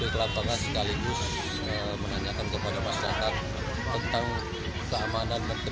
kutipan kutipan liar premanisme